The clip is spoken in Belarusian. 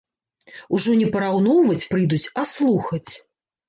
Ужо не параўноўваць прыйдуць, а слухаць.